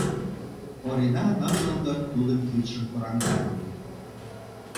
Орина ныжылгын тудын кидшым кораҥда.